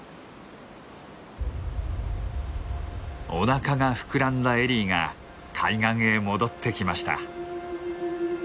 おなかが膨らんだエリーが海岸へ戻ってきました。